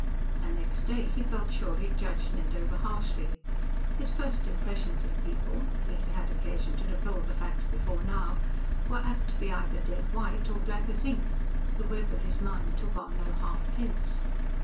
And next day he felt sure he had judged Ned over harshly. His first impressions of people he had had occasion to deplore the fact before now were apt to be either dead white or black as ink; the web of his mind took on no half tints.